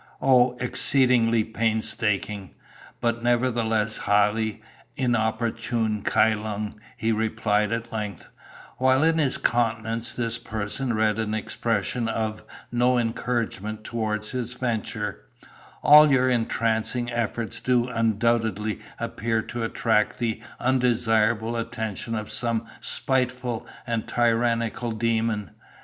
"'O exceedingly painstaking, but nevertheless highly inopportune Kai Lung,' he replied at length, while in his countenance this person read an expression of no encouragement towards his venture, 'all your entrancing efforts do undoubtedly appear to attract the undesirable attention of some spiteful and tyrannical demon.